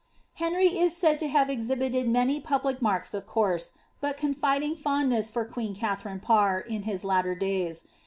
Henry is said to have exhibited many public marks of coarse, but mfiding fondness for queen Katharine Parr, in his latter days.